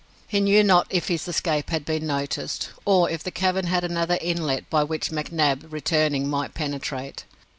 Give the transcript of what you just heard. He knew not if his escape had been noticed, or if the cavern had another inlet, by which McNab, returning, might penetrate.